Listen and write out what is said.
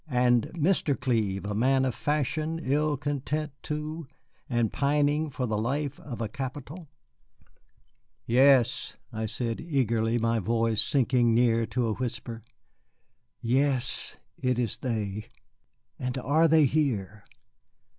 And Mr. Clive, a man of fashion, ill content too, and pining for the life of a capital?" "Yes," I said eagerly, my voice sinking near to a whisper, "yes it is they. And are they here?"